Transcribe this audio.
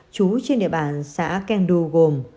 chú trên địa bàn xã keng du gồm